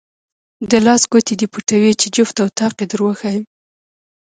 د لاس ګوتې دې پټوې چې جفت او طاق یې دروښایم.